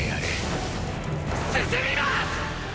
進みます！！